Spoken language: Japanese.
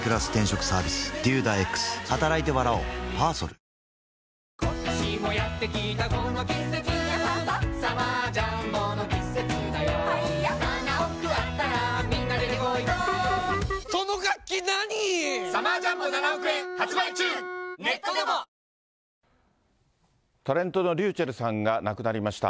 一生ものの透明感タレントの ｒｙｕｃｈｅｌｌ さんが亡くなりました。